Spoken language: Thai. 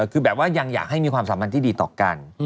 คือแบบว่ายังอยากให้มีความสัมพันธ์ที่ดีต่อกัน